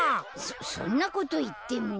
そんなこといっても。